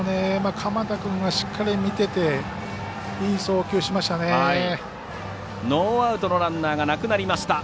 鎌田君がしっかり見てていい送球しましたね。